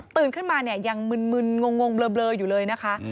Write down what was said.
ขึ้นมาเนี่ยยังมึนงงเบลออยู่เลยนะคะ